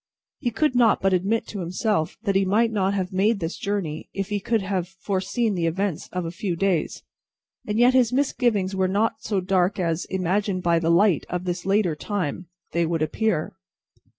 He could not but admit to himself that he might not have made this journey, if he could have foreseen the events of a few days. And yet his misgivings were not so dark as, imagined by the light of this later time, they would appear.